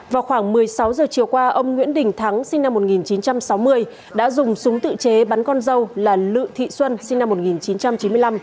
vào khoảng một mươi sáu giờ chiều qua ông nguyễn đình thắng sinh năm một nghìn chín trăm sáu mươi đã dùng súng tự chế bắn con dâu là lự thị xuân sinh năm một nghìn chín trăm chín mươi năm